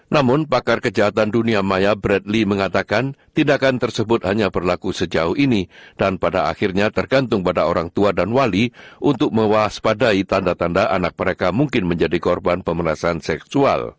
namun pakar kejahatan dunia maya bradley mengatakan tindakan tersebut hanya berlaku sejauh ini dan pada akhirnya tergantung pada orang tua dan wali untuk mewaspadai tanda tanda anak mereka mungkin menjadi korban pemerasan seksual